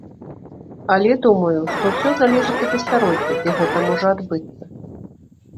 Але, думаю, што ўсё залежыць ад асяроддзя, дзе гэта можа адбыцца.